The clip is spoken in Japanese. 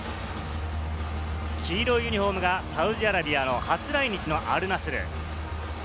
黄色いユニホームがサウジアラビアの初来日のアルナスル。